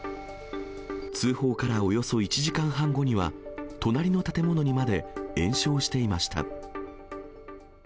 通報からおよそ１時間半後には隣の建物にまで延焼していました。